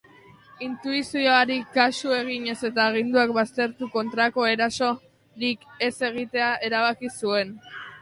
Intuizioari kasu eginez eta aginduak baztertuz, kontrako erasorik ez egitea erabaki zuen.